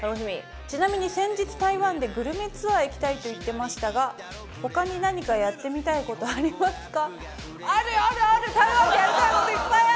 ちなみに先日台湾でグルメツアー行きたいと言ってましたが他に何かやってみたいことありますか？